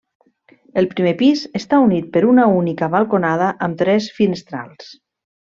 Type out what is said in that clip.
El primer pis està unit per una única balconada amb tres finestrals.